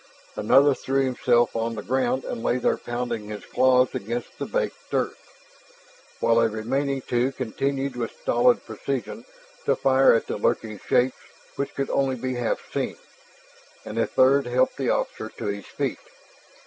Another threw himself on the ground and lay there, pounding his claws against the baked earth. While a remaining two continued with stolid precision to fire at the lurking shapes which could only be half seen; and a third helped the officer to his feet.